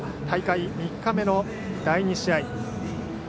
大会３日目の第２試合。